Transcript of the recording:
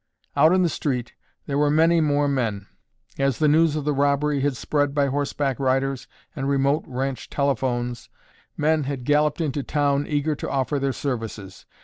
Out in the street, there were many more men. As the news of the robbery had spread by horseback riders and remote ranch telephones, men had galloped into town eager to offer their services.